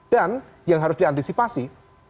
dan yang harus diantisipasi